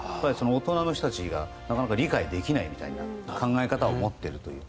大人の人たちがなかなか理解できないみたいな考え方を持っているという。